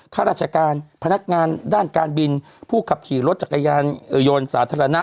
ข้าราชการพนักงานด้านการบินผู้ขับขี่รถจักรยานยนต์สาธารณะ